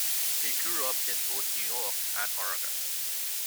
He grew up in both New York and Oregon.